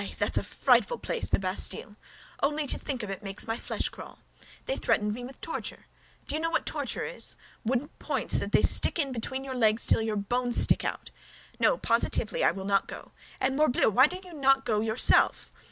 Whew! That's a frightful place, that Bastille! Only to think of it makes my flesh crawl. They threatened me with torture. Do you know what torture is? Wooden points that they stick in between your legs till your bones stick out! No, positively I will not go. And, morbleu, why do you not go yourself?